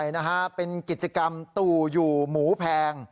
ใช่นะฮะเป็นกิจกรรมตู่อยู่หมูแพง